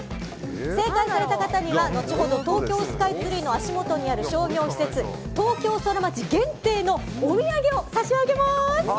正解された方には後ほど東京スカイツリーの足元にある商業施設、東京ソラマチ限定のお土産をさしあげます。